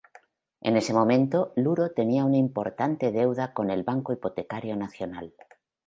En ese momento, Luro tenía una importante deuda con el Banco Hipotecario Nacional.